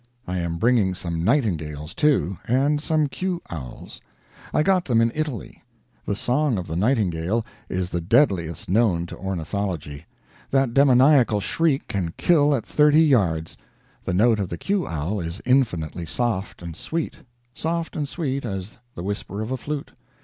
I am bringing some nightingales, too, and some cue owls. I got them in Italy. The song of the nightingale is the deadliest known to ornithology. That demoniacal shriek can kill at thirty yards. The note of the cue owl is infinitely soft and sweet soft and sweet as the whisper of a flute.